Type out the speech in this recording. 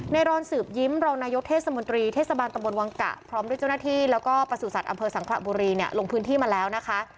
รอนสืบยิ้มรองนายกเทศมนตรีเทศบาลตำบลวังกะพร้อมด้วยเจ้าหน้าที่แล้วก็ประสูจนสัตว์อำเภอสังขระบุรีเนี่ยลงพื้นที่มาแล้วนะคะ